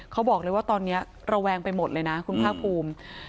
เขาบอกเลยว่าตอนนี้ระแวงไปหมดเลยนะคุณภาคภูมิ